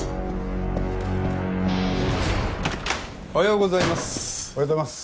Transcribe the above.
おはようございます。